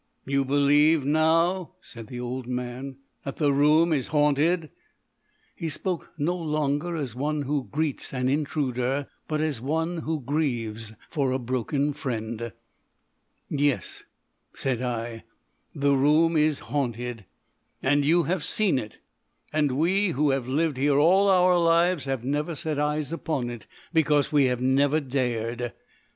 "You believe now," said the old man, "that the room is haunted?" He spoke no longer as one who greets an intruder, but as one who grieves for a broken friend. "Yes," said I; "the room is haunted." "And you have seen it. And we, who have lived here all our lives, have never set eyes upon it. Because we have never dared....